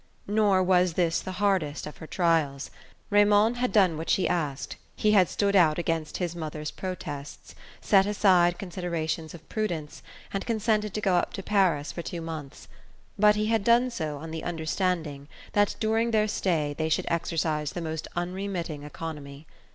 Nor was this the hardest of her trials. Raymond had done what she asked he had stood out against his mother's protests, set aside considerations of prudence, and consented to go up to Paris for two months; but he had done so on the understanding that during their stay they should exercise the most unremitting economy.